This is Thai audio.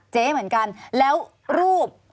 เจ๊เหมือนกันแล้วรูป